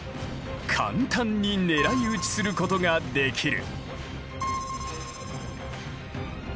簡単に狙い撃ちすることができる。